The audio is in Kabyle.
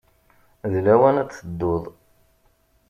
D lawan ad tedduḍ.